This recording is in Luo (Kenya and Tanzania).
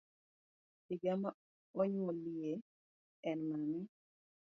Higa ma onyuoliye en mane?